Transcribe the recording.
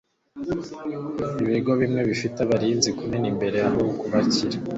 ibigo bimwe bifite abarinzi kumeza imbere aho kubakira